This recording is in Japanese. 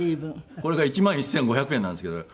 これが１万１５００円なんですけどね。